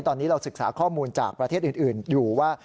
ตอนนี้เราศึกษาข้อมูลจากประเทศอื่นอยู่ว่า